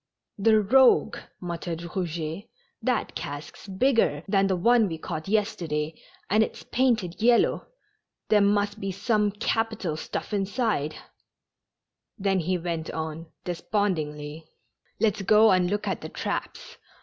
" The rogue 1 " muttered Eouget. " That cask's big TASTING THE DRINK. 221 ger than the one we caught yesterday, and it's painted yellow. There must be some capital stuff inside it." Then he went on despondingly :" Let's go and look at the traps.